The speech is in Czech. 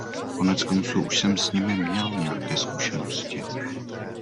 Koneckonců, už jsem s nimi měl nějaké zkušenosti.